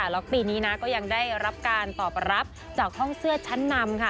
แล้วปีนี้นะก็ยังได้รับการตอบรับจากห้องเสื้อชั้นนำค่ะ